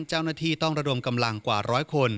เจ้าหน้าที่ต้องระดมกำลังกว่าร้อยคน